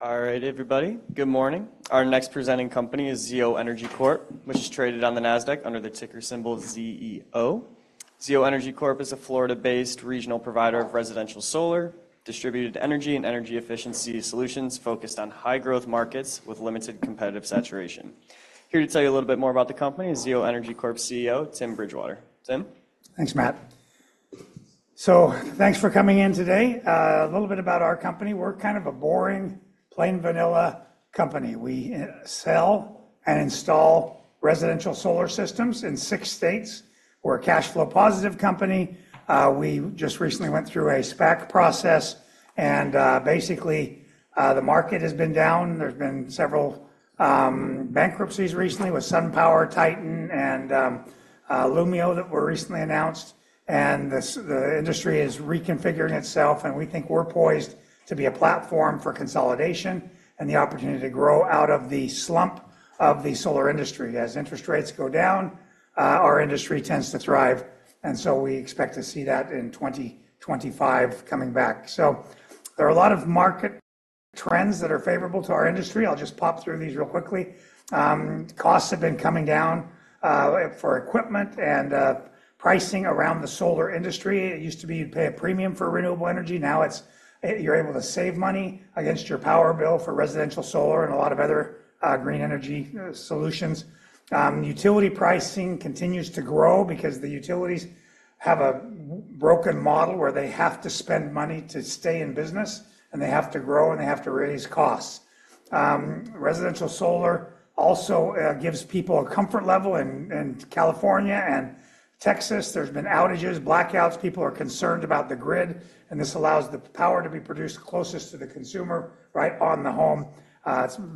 All right, everybody. Good morning. Our next presenting company is ZEO Energy Corp, which is traded on the Nasdaq under the ticker symbol ZEO. ZEO Energy Corp is a Florida-based regional provider of residential solar, distributed energy, and energy efficiency solutions focused on high-growth markets with limited competitive saturation. Here to tell you a little bit more about the company is ZEO Energy Corp's CEO, Tim Bridgewater. Tim? Thanks, Matt. So thanks for coming in today. A little bit about our company: we're kind of a boring, plain vanilla company. We sell and install residential solar systems in 6 states. We're a cash flow positive company. We just recently went through a SPAC process, and basically the market has been down. There's been several bankruptcies recently with SunPower, Titan, and Lumio that were recently announced, and the industry is reconfiguring itself, and we think we're poised to be a platform for consolidation and the opportunity to grow out of the slump of the solar industry. As interest rates go down, our industry tends to thrive, and so we expect to see that in 2025 coming back. So there are a lot of market trends that are favorable to our industry. I'll just pop through these real quickly. Costs have been coming down, for equipment and, pricing around the solar industry. It used to be you'd pay a premium for renewable energy. Now, it's, you're able to save money against your power bill for residential solar and a lot of other, green energy, solutions. Utility pricing continues to grow because the utilities have a broken model where they have to spend money to stay in business, and they have to grow, and they have to raise costs. Residential solar also, gives people a comfort level. In California and Texas, there's been outages, blackouts. People are concerned about the grid, and this allows the power to be produced closest to the consumer, right on the home.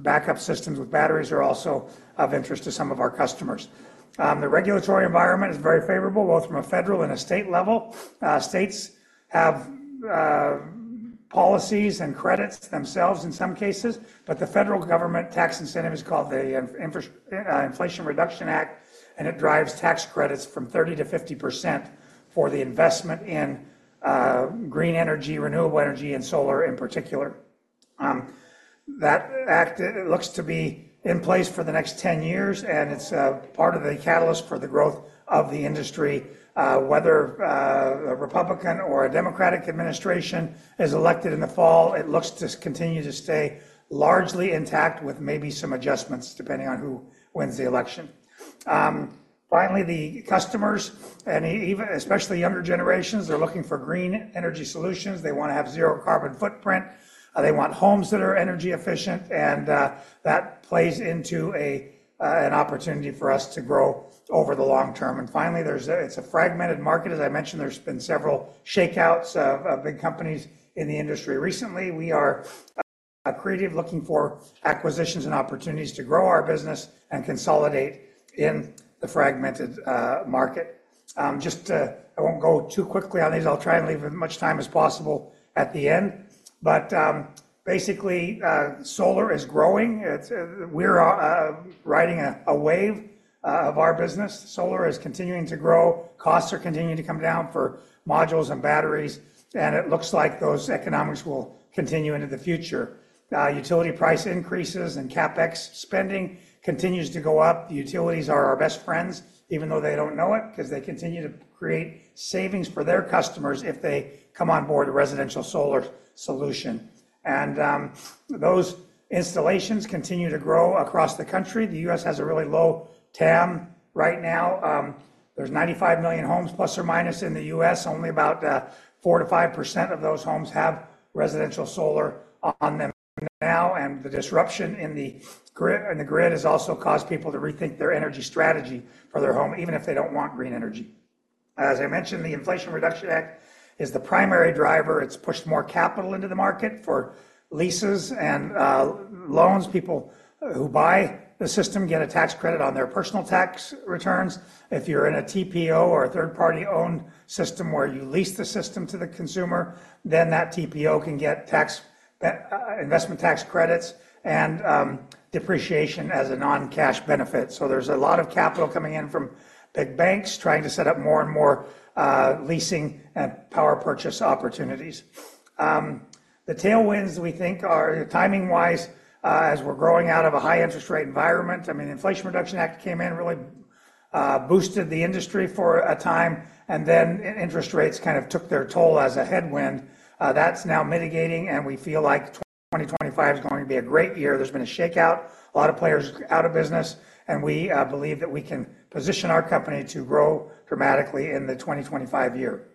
Backup systems with batteries are also of interest to some of our customers. The regulatory environment is very favorable, both from a federal and a state level. States have policies and credits themselves in some cases, but the federal government tax incentive is called the Inflation Reduction Act, and it drives tax credits from 30%-50% for the investment in green energy, renewable energy, and solar in particular. That act, it looks to be in place for the next 10 years, and it's part of the catalyst for the growth of the industry. Whether a Republican or a Democratic administration is elected in the fall, it looks to continue to stay largely intact, with maybe some adjustments, depending on who wins the election. Finally, the customers, and even especially younger generations, they're looking for green energy solutions. They wanna have zero carbon footprint. They want homes that are energy efficient, and that plays into an opportunity for us to grow over the long term, and finally, it's a fragmented market. As I mentioned, there's been several shakeouts of big companies in the industry recently. We are creative, looking for acquisitions and opportunities to grow our business and consolidate in the fragmented market. I won't go too quickly on these. I'll try and leave as much time as possible at the end, but basically, solar is growing. It's, we're riding a wave of our business. Solar is continuing to grow. Costs are continuing to come down for modules and batteries, and it looks like those economics will continue into the future. Utility price increases and CapEx spending continues to go up. The utilities are our best friends, even though they don't know it, 'cause they continue to create savings for their customers if they come on board a residential solar solution. Those installations continue to grow across the country. The U.S. has a really low TAM right now. There's 95 million homes, + or -, in the U.S. Only about 4%-5% of those homes have residential solar on them now, and the disruption in the grid has also caused people to rethink their energy strategy for their home, even if they don't want green energy. As I mentioned, the Inflation Reduction Act is the primary driver. It's pushed more capital into the market for leases and loans. People who buy the system get a tax credit on their personal tax returns. If you're in a TPO or a third-party-owned system, where you lease the system to the consumer, then that TPO can get tax investment tax credits and depreciation as a non-cash benefit. So there's a lot of capital coming in from big banks trying to set up more and more leasing and power purchase opportunities. The tailwinds, we think, are timing-wise, as we're growing out of a high interest rate environment. I mean, the Inflation Reduction Act came in, really boosted the industry for a time, and then interest rates kind of took their toll as a headwind. That's now mitigating, and we feel like 2025 is going to be a great year. There's been a shakeout, a lot of players out of business, and we believe that we can position our company to grow dramatically in the 2025 year.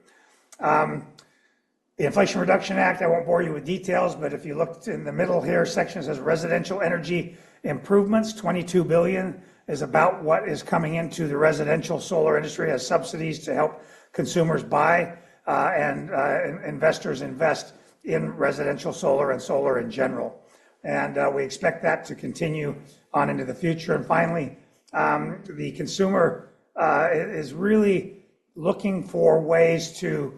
The Inflation Reduction Act, I won't bore you with details, but if you look in the middle here, section that says, "Residential energy improvements," $22 billion is about what is coming into the residential solar industry as subsidies to help consumers buy, and investors invest in residential solar and solar in general. And we expect that to continue on into the future. And finally, the consumer is really looking for ways to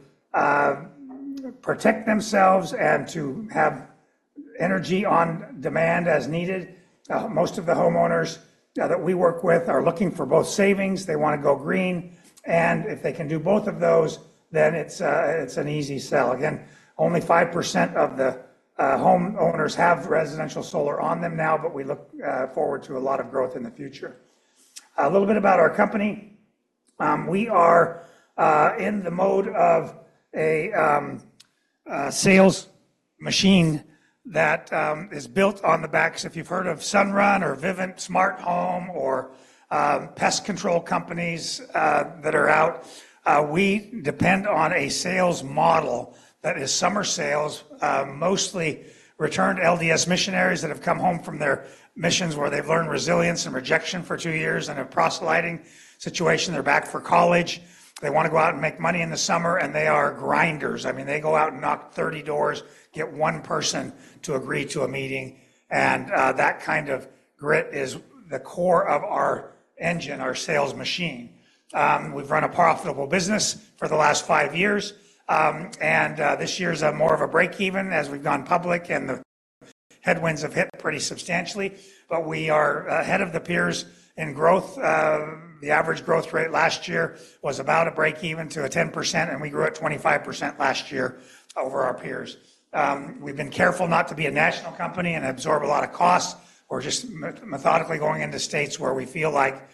protect themselves and to have energy on demand as needed. Most of the homeowners that we work with are looking for both savings, they wanna go green-... And if they can do both of those, then it's, it's an easy sell. Again, only 5% of the homeowners have residential solar on them now, but we look forward to a lot of growth in the future. A little bit about our company. We are in the mode of a sales machine that is built on the backs. If you've heard of Sunrun or Vivint Smart Home, or pest control companies that are out, we depend on a sales model that is summer sales, mostly returned LDS missionaries that have come home from their missions, where they've learned resilience and rejection for two years in a proselytizing situation. They're back for college. They want to go out and make money in the summer, and they are grinders. I mean, they go out and knock 30 doors, get one person to agree to a meeting, and that kind of grit is the core of our engine, our sales machine. We've run a profitable business for the last 5-years, and this year's more of a break even as we've gone public, and the headwinds have hit pretty substantially, but we are ahead of the peers in growth. The average growth rate last year was about a break even to a 10%, and we grew at 25% last year over our peers. We've been careful not to be a national company and absorb a lot of costs. We're just methodically going into states where we feel like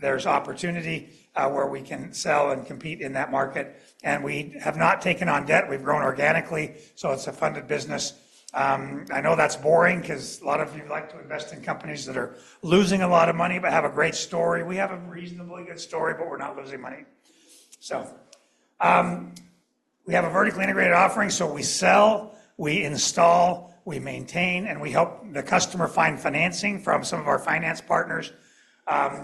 there's opportunity, where we can sell and compete in that market, and we have not taken on debt. We've grown organically, so it's a funded business. I know that's boring 'cause a lot of you like to invest in companies that are losing a lot of money, but have a great story. We have a reasonably good story, but we're not losing money, so we have a vertically integrated offering, so we sell, we install, we maintain, and we help the customer find financing from some of our finance partners.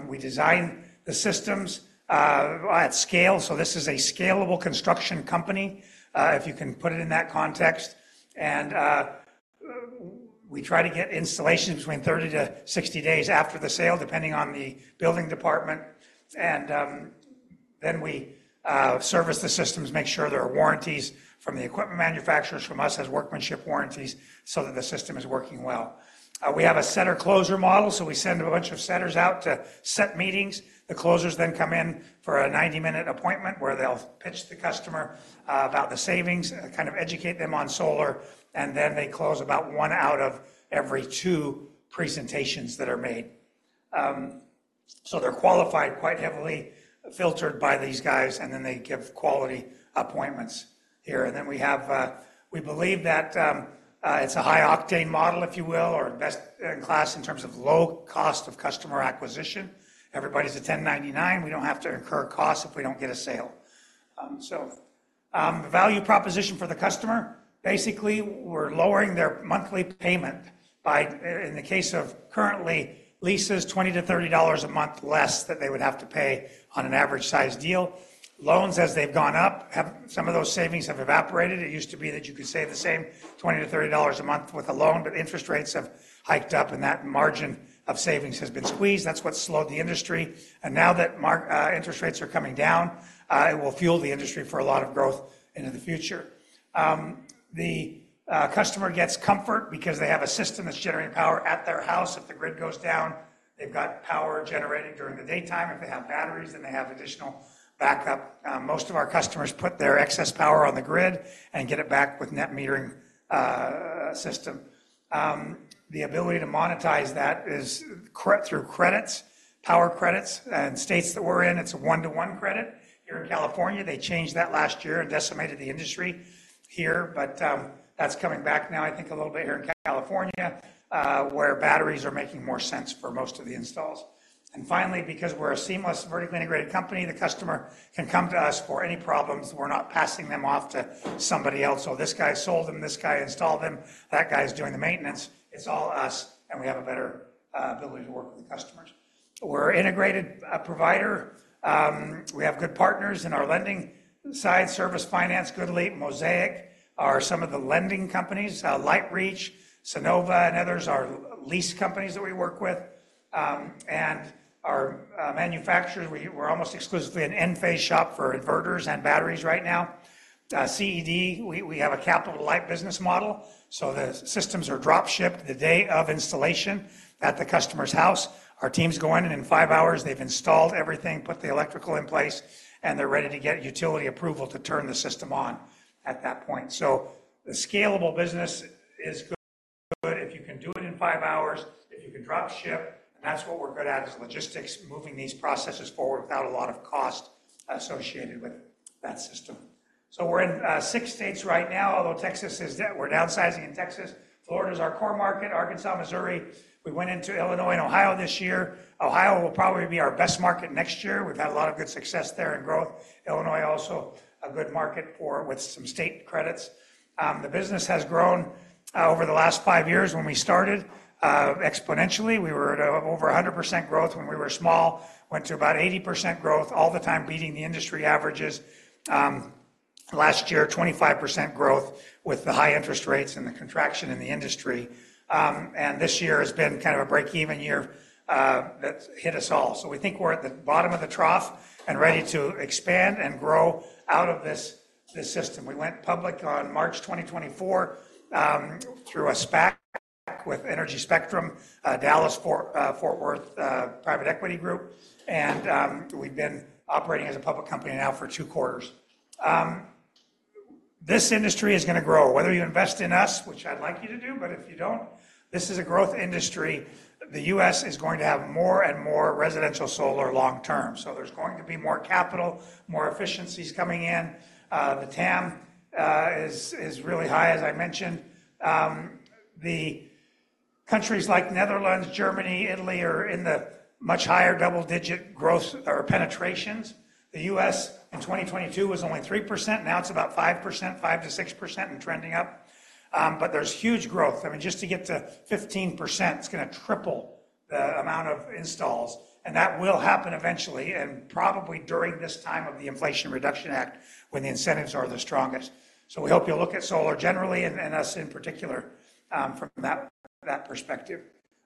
We design the systems at scale, so this is a scalable construction company, if you can put it in that context, we try to get installation between 30 - 60 days after the sale, depending on the building department, then we service the systems, make sure there are warranties from the equipment manufacturers, from us as workmanship warranties, so that the system is working well. We have a setter-closer model, so we send a bunch of setters out to set meetings. The closers then come in for a 90-minute appointment, where they'll pitch the customer about the savings, kind of educate them on solar, and then they close about one out of every two presentations that are made. So they're qualified, quite heavily filtered by these guys, and then they give quality appointments here. We believe that it's a high-octane model, if you will, or best in class in terms of low cost of customer acquisition. Everybody's a 1099. We don't have to incur costs if we don't get a sale. So, the value proposition for the customer, basically, we're lowering their monthly payment by. In the case of current leases, $20-$30 a month less than they would have to pay on an average-sized deal. Loans, as they've gone up, some of those savings have evaporated. It used to be that you could save the same $20-$30 a month with a loan, but interest rates have hiked up, and that margin of savings has been squeezed. That's what slowed the industry. And now that rates are coming down, it will fuel the industry for a lot of growth into the future. The customer gets comfort because they have a system that's generating power at their house. If the grid goes down, they've got power generated during the daytime. If they have batteries, then they have additional backup. Most of our customers put their excess power on the grid and get it back with net metering system. The ability to monetize that is through credits, power credits, and in the states that we're in, it's a one-to-one credit. Here in California, they changed that last year and decimated the industry here, but that's coming back now, I think, a little bit here in California, where batteries are making more sense for most of the installs. And finally, because we're a seamless, vertically integrated company, the customer can come to us for any problems. We're not passing them off to somebody else. So this guy sold them, this guy installed them, that guy's doing the maintenance. It's all us, and we have a better ability to work with the customers. We're an integrated provider. We have good partners in our lending side, service, finance, GoodLeap, Mosaic, are some of the lending companies. LightReach, Sunnova, and others are lease companies that we work with. Our manufacturers, we're almost exclusively an Enphase shop for inverters and batteries right now. CED, we have a capital light business model, so the systems are drop shipped the day of installation at the customer's house. Our teams go in, and in 5-hours, they've installed everything, put the electrical in place, and they're ready to get utility approval to turn the system on at that point. So the scalable business is good. If you can do it in 5-hours, if you can drop ship, and that's what we're good at, is logistics, moving these processes forward without a lot of cost associated with that system. We're in 6 states right now, although we're downsizing in Texas. Florida is our core market, Arkansas, Missouri. We went into Illinois and Ohio this year. Ohio will probably be our best market next year. We've had a lot of good success there and growth. Illinois is also a good market with some state credits. The business has grown over the last 5-years. When we started, exponentially, we were at over 100% growth when we were small, went to about 80% growth all the time, beating the industry averages. Last year, 25% growth with the high interest rates and the contraction in the industry. And this year has been kind of a break-even year that hit us all. We think we're at the bottom of the trough and ready to expand and grow out of this system. We went public on March 2024 through a SPAC with Energy Spectrum, Dallas-Fort Worth private equity group. We've been operating as a public company now for two quarters. This industry is gonna grow, whether you invest in us, which I'd like you to do, but if you don't, this is a growth industry. The U.S. is going to have more and more residential solar long term, so there's going to be more capital, more efficiencies coming in. The TAM is really high, as I mentioned. The countries like Netherlands, Germany, Italy are in the much higher double-digit growth or penetrations. The U.S. in 2022 was only 3%, now it's about 5%, 5%-6%, and trending up. But there's huge growth. I mean, just to get to 15%, it's gonna triple the amount of installs, and that will happen eventually, and probably during this time of the Inflation Reduction Act, when the incentives are the strongest. So we hope you'll look at solar generally, and us in particular, from that perspective.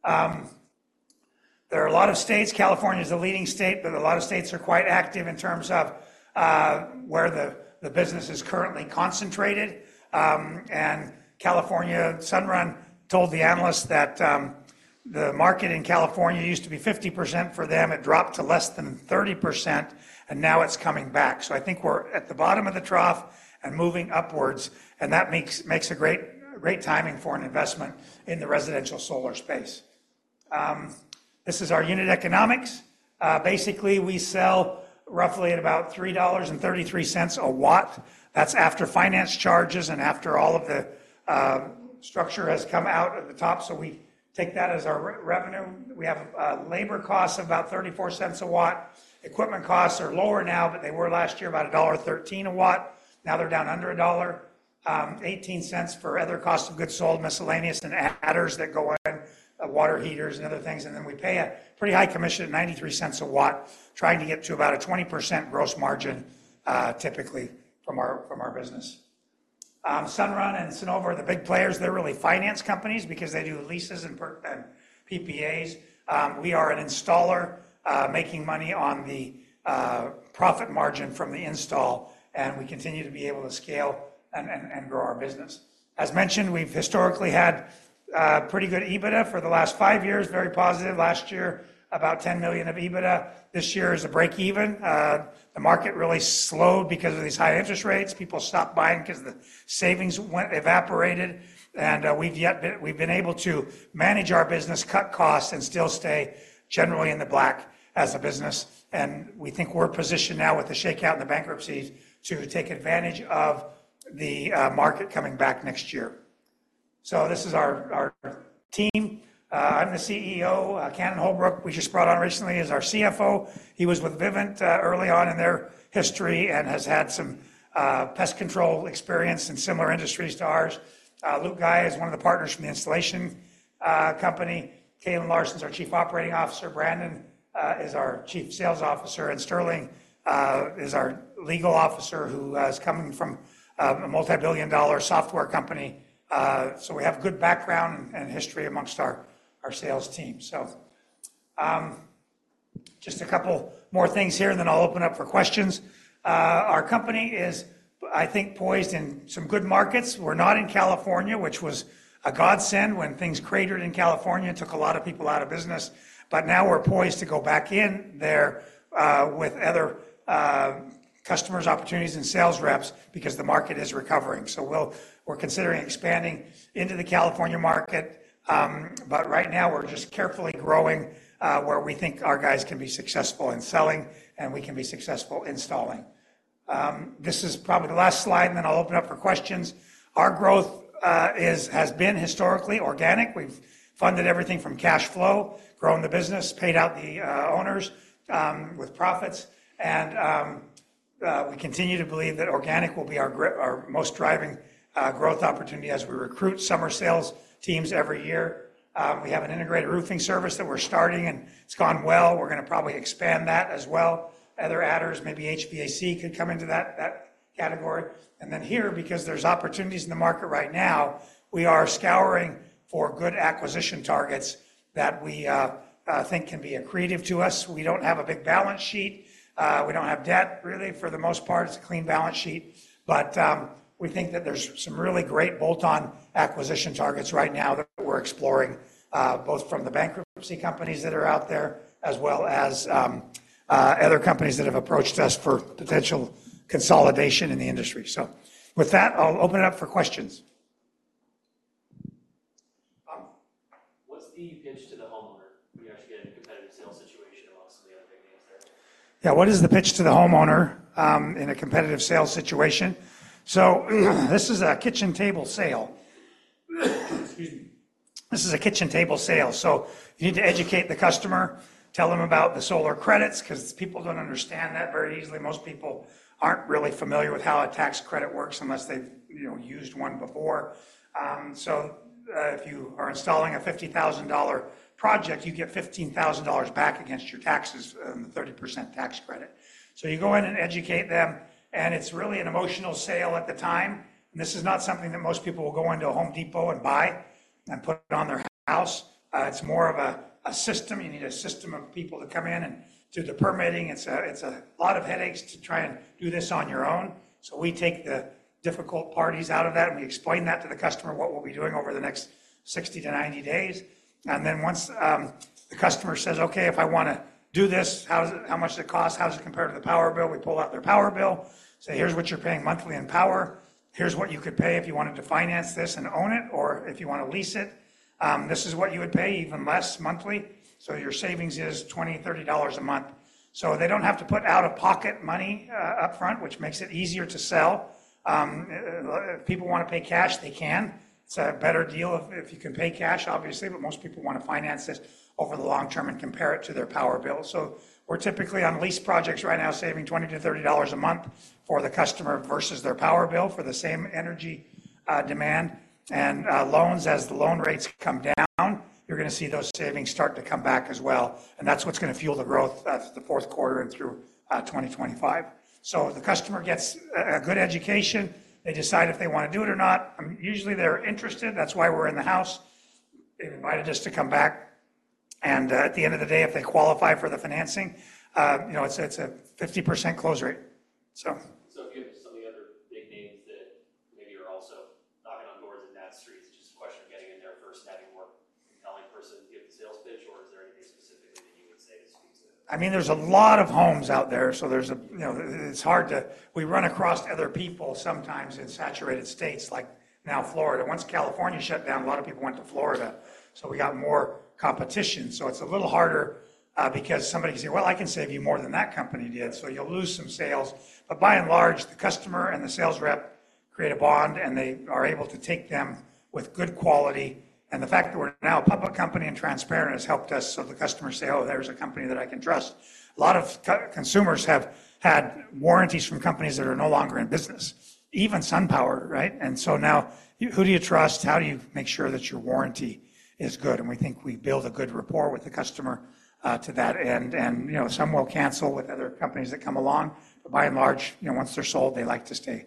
There are a lot of states, California is a leading state, but a lot of states are quite active in terms of where the business is currently concentrated. And California, Sunrun told the analyst that the market in California used to be 50% for them. It dropped to less than 30%, and now it's coming back. So I think we're at the bottom of the trough and moving upwards, and that makes a great timing for an investment in the residential solar space. This is our unit economics. Basically, we sell roughly at about $3.33 a watt. That's after finance charges and after all of the structure has come out at the top, so we take that as our revenue. We have labor costs of about $0.34 a watt. Equipment costs are lower now than they were last year, about $1.13 a watt. Now, they're down under $1. $0.18 for other cost of goods sold, miscellaneous and adders that go in, water heaters and other things. And then we pay a pretty high commission at $0.93 a watt, trying to get to about a 20% gross margin, typically from our business. Sunrun and Sunnova are the big players. They're really finance companies because they do leases and PPAs. We are an installer, making money on the profit margin from the install, and we continue to be able to scale and grow our business. As mentioned, we've historically had pretty good EBITDA for the last 5-years. Very positive last year, about $10 million of EBITDA. This year is a break even. The market really slowed because of these high interest rates. People stopped buying 'cause the savings went evaporated, and we've been able to manage our business, cut costs, and still stay generally in the black as a business, and we think we're positioned now with the shakeout and the bankruptcies to take advantage of the market coming back next year, so this is our team. I'm the CEO. Cannon Holbrook, we just brought on recently, is our CFO. He was with Vivint early on in their history and has had some pest control experience in similar industries to ours. Luke Guy is one of the partners from the installation company. Kaitlyn Larsen is our Chief Operating Officer, Brandon is our Chief Sales Officer, and Sterling is our Legal Officer, who has come from a multibillion-dollar software company. So we have good background and history among our sales team, so just a couple more things here, and then I'll open up for questions. Our company is, I think, poised in some good markets. We're not in California, which was a godsend when things cratered in California, took a lot of people out of business, but now we're poised to go back in there with other customers, opportunities, and sales reps because the market is recovering, so we're considering expanding into the California market, but right now we're just carefully growing where we think our guys can be successful in selling, and we can be successful installing. This is probably the last slide, and then I'll open up for questions. Our growth has been historically organic. We've funded everything from cash flow, grown the business, paid out the owners with profits, and we continue to believe that organic will be our most driving growth opportunity as we recruit summer sales teams every year. We have an integrated roofing service that we're starting, and it's gone well. We're gonna probably expand that as well. Other adders, maybe HVAC could come into that category. And then here, because there's opportunities in the market right now, we are scouring for good acquisition targets that we think can be accretive to us. We don't have a big balance sheet. We don't have debt, really for the most part, it's a clean balance sheet. But, we think that there's some really great bolt-on acquisition targets right now that we're exploring, both from the bankruptcy companies that are out there, as well as, other companies that have approached us for potential consolidation in the industry, so with that, I'll open it up for questions. What's the pitch to the homeowner when you actually get in a competitive sales situation amongst some of the other big names there? Yeah, what is the pitch to the homeowner, in a competitive sales situation? So, this is a kitchen table sale. Excuse me. This is a kitchen table sale, so you need to educate the customer, tell them about the solar credits, 'cause people don't understand that very easily. Most people aren't really familiar with how a tax credit works unless they've, you know, used one before. So, if you are installing a $50,000 project, you get $15,000 back against your taxes, 30% tax credit. So you go in and educate them, and it's really an emotional sale at the time. This is not something that most people will go into a Home Depot and buy and put it on their house. It's more of a system. You need a system of people to come in and do the permitting. It's a lot of headaches to try and do this on your own, so we take the difficult parts out of that, and we explain that to the customer, what we'll be doing over the next 60-90 days, and then once the customer says, "Okay, if I wanna do this, how much does it cost? How does it compare to the power bill?" We pull out their power bill, say, "Here's what you're paying monthly in power. Here's what you could pay if you wanted to finance this and own it, or if you want to lease it, this is what you would pay, even less monthly. So your savings is $20-$30 a month," so they don't have to put out-of-pocket money upfront, which makes it easier to sell. If people want to pay cash, they can. It's a better deal if you can pay cash, obviously, but most people want to finance this over the long term and compare it to their power bill, so we're typically on lease projects right now, saving $20-$30 a month for the customer versus their power bill for the same energy demand, and loans, as the loan rates come down, you're gonna see those savings start to come back as well, and that's what's gonna fuel the growth of the fourth quarter and through 2025, so the customer gets a good education. They decide if they want to do it or not. Usually, they're interested. That's why we're in the house. They've invited us to come back, and, at the end of the day, if they qualify for the financing, you know, it's a 50% close rate, so. So if you have some of the other big names that maybe are also knocking on doors in that street, it's just a question of getting in there first, having more selling person give the sales pitch, or is there anything specifically that you would say speaks to? I mean, there's a lot of homes out there, so you know, it's hard to. We run across other people sometimes in saturated states, like now Florida. Once California shut down, a lot of people went to Florida, so we got more competition. So it's a little harder, because somebody can say, "Well, I can save you more than that company did," so you'll lose some sales. But by and large, the customer and the sales rep create a bond, and they are able to take them with good quality. And the fact that we're now a public company and transparent has helped us, so the customer say, "Oh, there's a company that I can trust." A lot of consumers have had warranties from companies that are no longer in business, even SunPower, right? And so now, who do you trust? How do you make sure that your warranty is good? And we think we build a good rapport with the customer to that end. And, you know, some will cancel with other companies that come along. But by and large, you know, once they're sold, they like to stay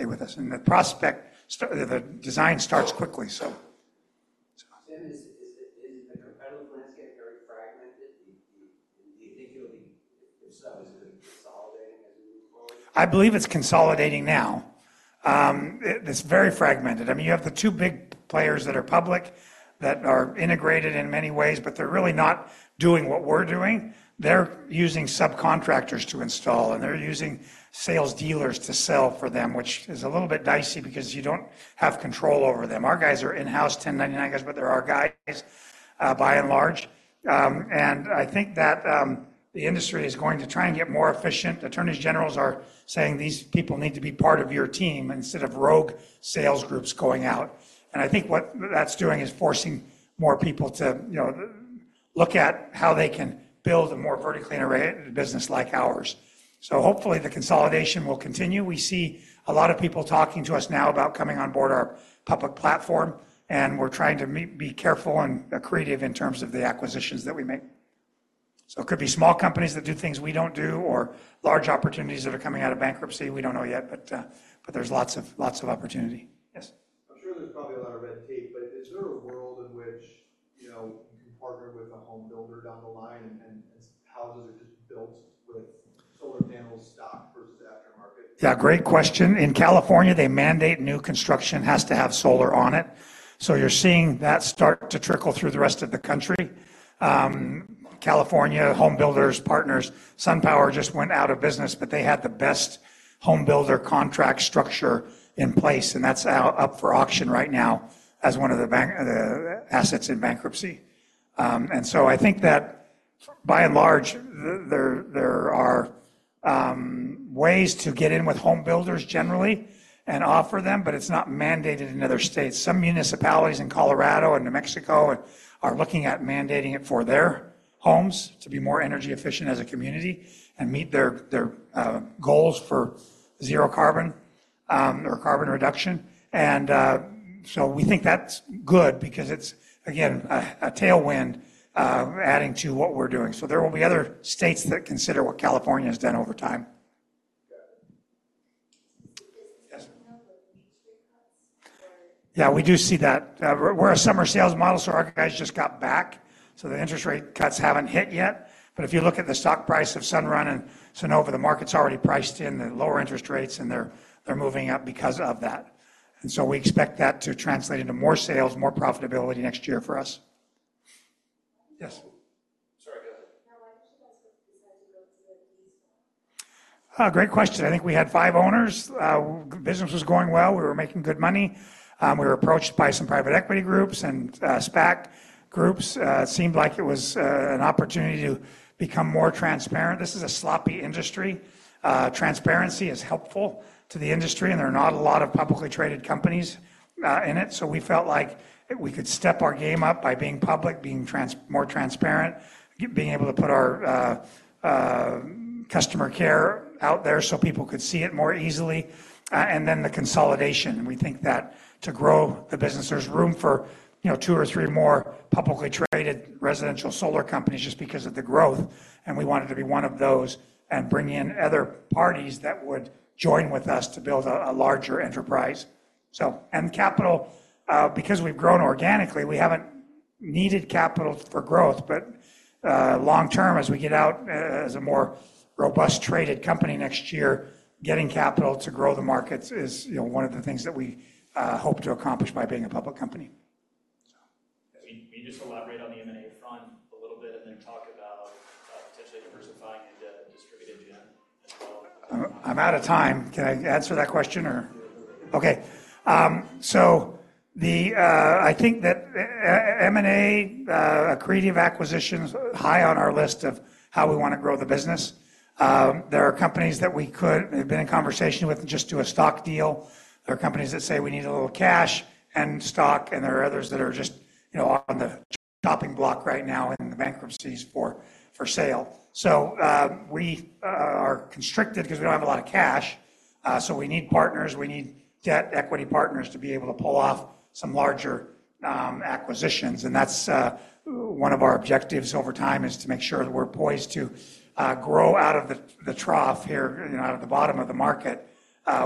with us. And the prospect, the design starts quickly, so. Tim, is the competitive landscape very fragmented? Do you think it'll be... If so, is it consolidating as we move forward? I believe it's consolidating now. It's very fragmented. I mean, you have the two big players that are public, that are integrated in many ways, but they're really not doing what we're doing. They're using subcontractors to install, and they're using sales dealers to sell for them, which is a little bit dicey because you don't have control over them. Our guys are in-house, 1099 guys, but they're our guys, by and large. And I think that the industry is going to try and get more efficient. Attorneys General are saying, "These people need to be part of your team instead of rogue sales groups going out." And I think what that's doing is forcing more people to, you know, look at how they can build a more vertically integrated business like ours. So hopefully, the consolidation will continue. We see a lot of people talking to us now about coming on board our public platform, and we're trying to be careful and creative in terms of the acquisitions that we make. So it could be small companies that do things we don't do or large opportunities that are coming out of bankruptcy. We don't know yet, but there's lots of opportunity. Yes. I'm sure there's probably a lot of red tape, but is there a world in which, you know, you can partner with a home builder down the line, and, and houses are just built with solar panels stock versus aftermarket? Yeah, great question. In California, they mandate new construction has to have solar on it, so you're seeing that start to trickle through the rest of the country. California homebuilder partners, SunPower just went out of business, but they had the best home builder contract structure in place, and that's now up for auction right now as one of the bank- the assets in bankruptcy, and so I think that by and large, there are ways to get in with home builders generally and offer them, but it's not mandated in other states. Some municipalities in Colorado and New Mexico are looking at mandating it for their homes to be more energy efficient as a community and meet their goals for zero carbon, or carbon reduction. And, so we think that's good because it's, again, a tailwind, adding to what we're doing. So there will be other states that consider what California has done over time. Got it. Yes. Do you know the interest rates? Or... Yeah, we do see that. We're a summer sales model, so our guys just got back, so the interest rate cuts haven't hit yet. But if you look at the stock price of Sunrun and Sunnova, the market's already priced in the lower interest rates, and they're moving up because of that. And so we expect that to translate into more sales, more profitability next year for us. Yes. Sorry, go ahead. Now, why did you guys decide to go to the street? Great question. I think we had five owners. Business was going well. We were making good money. We were approached by some private equity groups and SPAC groups. Seemed like it was an opportunity to become more transparent. This is a sloppy industry. Transparency is helpful to the industry, and there are not a lot of publicly traded companies in it. So we felt like we could step our game up by being public, being more transparent, being able to put our customer care out there so people could see it more easily, and then the consolidation. We think that to grow the business, there's room for, you know, two or three more publicly traded residential solar companies just because of the growth, and we wanted to be one of those and bring in other parties that would join with us to build a larger enterprise. So, and capital, because we've grown organically, we haven't needed capital for growth, but long term, as we get out as a more robust traded company next year, getting capital to grow the markets is, you know, one of the things that we hope to accomplish by being a public company. So. Can you just elaborate on the M&A front a little bit, and then talk about potentially diversifying into distributed gen as well? I'm out of time. Can I answer that question or- Sure. Okay. So I think that M&A, accretive acquisitions, high on our list of how we wanna grow the business. There are companies that we could have been in conversation with and just do a stock deal. There are companies that say, "We need a little cash and stock," and there are others that are just, you know, on the chopping block right now in the bankruptcies for sale. So we are constricted 'cause we don't have a lot of cash, so we need partners. We need debt equity partners to be able to pull off some larger acquisitions, and that's one of our objectives over time, is to make sure that we're poised to grow out of the trough here, you know, out of the bottom of the market,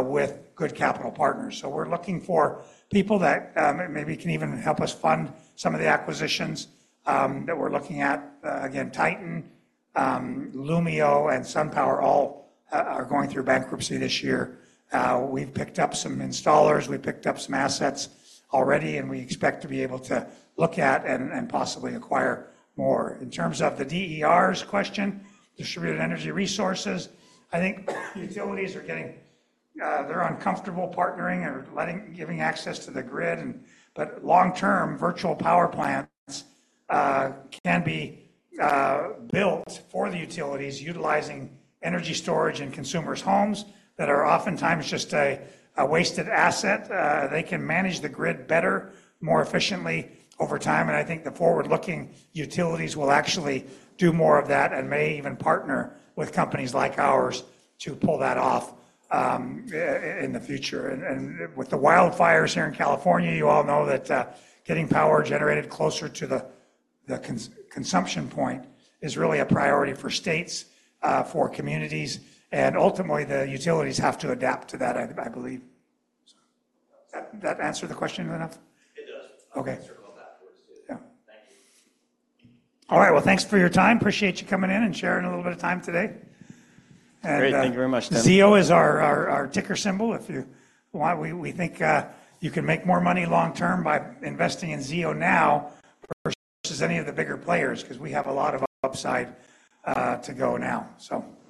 with good capital partners. So we're looking for people that, maybe can even help us fund some of the acquisitions, that we're looking at. Again, Titan, Lumio, and SunPower all are going through bankruptcy this year. We've picked up some installers. We've picked up some assets already, and we expect to be able to look at and possibly acquire more. In terms of the DERs question, distributed energy resources, I think utilities are getting, they're uncomfortable partnering or letting giving access to the grid. But long term, virtual power plants can be built for the utilities, utilizing energy storage in consumers' homes that are oftentimes just a wasted asset. They can manage the grid better, more efficiently over time, and I think the forward-looking utilities will actually do more of that and may even partner with companies like ours to pull that off in the future. With the wildfires here in California, you all know that getting power generated closer to the consumption point is really a priority for states, for communities, and ultimately, the utilities have to adapt to that, I believe. So did that answer the question enough? It does. Okay. I'll circle back with you soon. Yeah. Thank you. All right. Thanks for your time. Appreciate you coming in and sharing a little bit of time today. Great. Thank you very much. ZEO is our ticker symbol, if you want. We think you can make more money long term by investing in ZEO now versus any of the bigger players, 'cause we have a lot of upside to go now. So thanks.